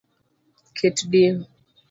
Ket dim